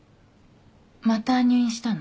また入院したの？